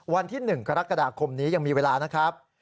วันที่๑กรกฎาคมนี้ยังมีเวลานะครับ